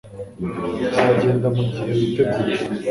Tuzagenda mugihe witeguye